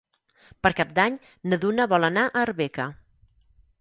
Per Cap d'Any na Duna vol anar a Arbeca.